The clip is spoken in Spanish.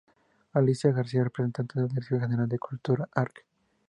Alicia García, representante de la Dirección General de Cultura, Arq.